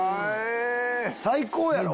最高やろ！